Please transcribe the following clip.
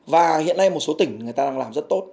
và hiện nay một số tỉnh người ta đang làm rất tốt